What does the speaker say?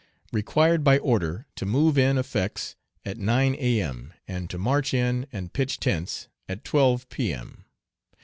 Required by order to move in effects at 9 A. M., and to march in and pitch tents at 12 M.